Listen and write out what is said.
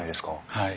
はい。